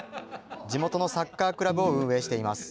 地元のサッカークラブを運営しています。